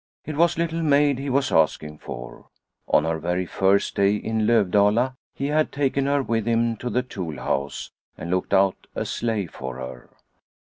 It was Little Maid he was asking for. On her very, first day in Lovdala he had taken her with him to the tool house and looked out a sleigh for her.